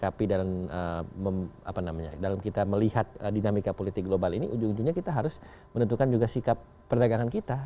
tetapi ujung ujungnya dalam kita menyikapi dalam kita melihat dinamika politik global ini ujung ujungnya kita harus menentukan juga sikap perdagangan kita